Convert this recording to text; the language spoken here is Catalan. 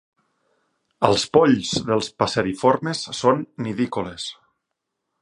Els polls dels passeriformes són nidícoles.